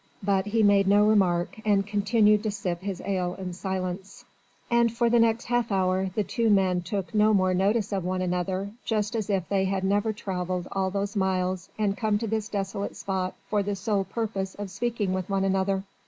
But he made no remark and continued to sip his ale in silence, and for the next half hour the two men took no more notice of one another, just as if they had never travelled all those miles and come to this desolate spot for the sole purpose of speaking with one another.